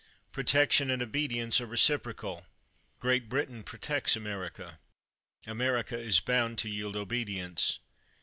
Protection and obedience are reciprocal. Great Britain protects America ; America is bound to yield obedience.